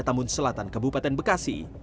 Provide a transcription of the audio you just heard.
tambun selatan kebupaten bekasi